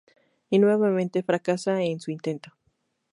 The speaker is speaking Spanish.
Y nuevamente fracasa en su intento.